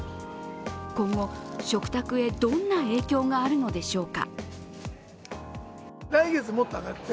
今後、食卓へどんな影響があるのでしょうか。